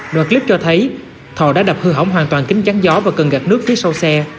đoạn clip cho thấy thọ đã đập hư hỏng hoàn toàn kính chắn gió và cần gạt nước phía sau xe